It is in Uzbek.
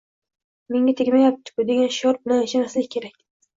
“Menga tegmayapti-ku” degan shior bilan yashamaslik kerak.